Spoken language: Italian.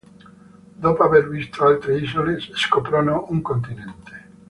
Dopo aver visto altre isole, scoprono un continente.